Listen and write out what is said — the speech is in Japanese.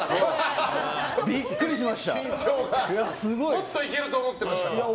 もっといけると思ってましたか？